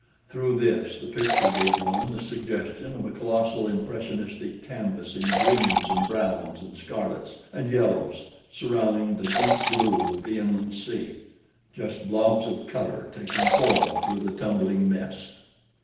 Through this the picture gave one the suggestion of a colossal impressionistic canvas in greens and browns and scarlets and yellows surrounding the deep blue of the inland sea just blobs of color taking form through the tumbling mist.